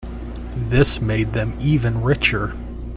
This made them even richer.